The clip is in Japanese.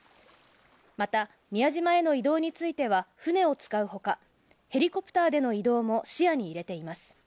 また宮島への移動については船を使うほか、ヘリコプターでの移動も視野に入れています。